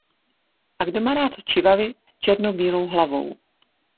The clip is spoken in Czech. A kdo má rád čivavy s černobílou hlavou...